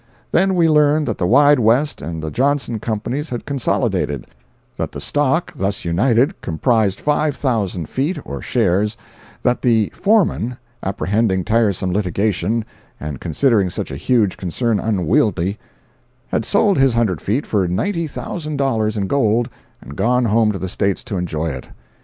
Then we learned that the Wide West and the Johnson companies had consolidated; that the stock, thus united, comprised five thousand feet, or shares; that the foreman, apprehending tiresome litigation, and considering such a huge concern unwieldy, had sold his hundred feet for ninety thousand dollars in gold and gone home to the States to enjoy it.